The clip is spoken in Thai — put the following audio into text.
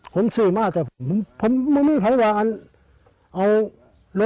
ผมศือมาว่าผมมักมีภาควาล